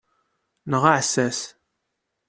Neɣ aɛessas.